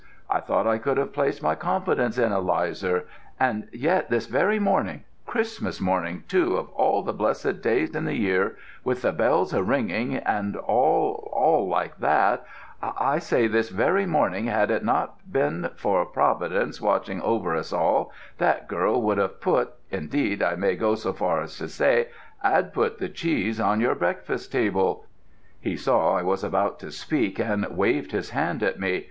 I thought I could have placed my confidence in Elizar, and yet this very morning Christmas morning too, of all the blessed days in the year with the bells a ringing and and all like that I say, this very morning, had it not have been for Providence watching over us all, that girl would have put indeed I may go so far to say, 'ad put the cheese on your breakfast table " He saw I was about to speak, and waved his hand at me.